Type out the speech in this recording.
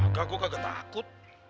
gak gua kagak takut